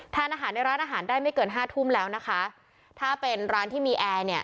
ทานอาหารในร้านอาหารได้ไม่เกินห้าทุ่มแล้วนะคะถ้าเป็นร้านที่มีแอร์เนี่ย